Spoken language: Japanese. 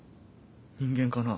人間かな？